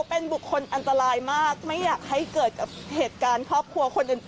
ขอบคุณมากค่ะขอบคุณนะคะ